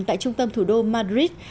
tại trung tâm thủ đô madrid